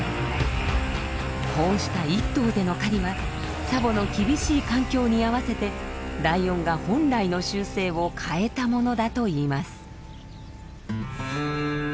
こうした１頭での狩りはツァボの厳しい環境に合わせてライオンが本来の習性を変えたものだといいます。